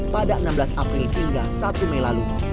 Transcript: pada enam belas april hingga satu mei lalu